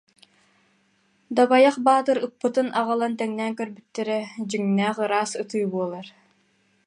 Дабайах Баатыр ыппытын аҕалан тэҥнээн көрбүттэрэ дьиҥнээх ыраас ытыы буолар